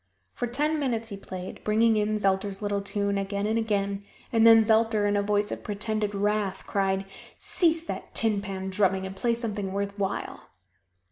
For ten minutes he played, bringing in Zelter's little tune again and again, and then Zelter in a voice of pretended wrath cried, "Cease that tin pan drumming and play something worth while."